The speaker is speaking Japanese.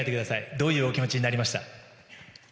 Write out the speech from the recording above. どういうお気持ちになりました？